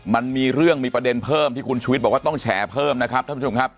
มันมีเรื่องมีประเด็นเพิ่มที่คุณชุวิตบอกว่าต้องแฉเพิ่มนะครับท่านผู้ชมครับ